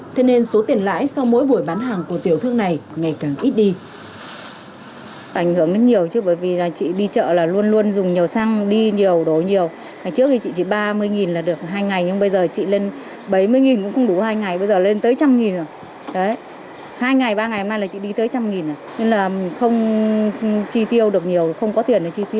thế nên số tiền lãi sau mỗi buổi bán hàng của tiểu thương này ngày càng ít đi